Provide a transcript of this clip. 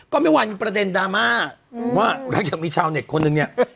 ก็ไม่ว่ายังประเด็นดราม่าอืมว่ารักจากมีชาวเด็กคนหนึ่งเนี่ยอ๋อ